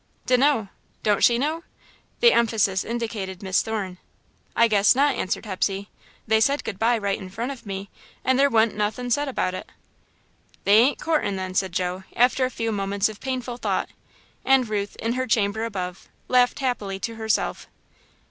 "D'know. Don't she know?" The emphasis indicated Miss Thorne. "I guess not," answered Hepsey. "They said good bye right in front of me, and there wa'n't nothin' said about it." "They ain't courtin', then," said Joe, after a few moments of painful thought, and Ruth, in her chamber above, laughed happily to herself.